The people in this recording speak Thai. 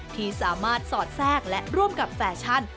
ที่สามารถสอดแทรกและร่วมกับแฟชั่น